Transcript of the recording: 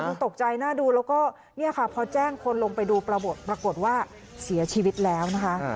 มันตกใจน่าดูแล้วก็เนี่ยค่ะพอแจ้งคนลงไปดูปรากฏว่าเสียชีวิตแล้วนะคะ